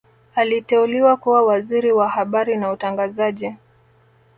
aliteuliwa kuwa Waziri wa habari na utangazaji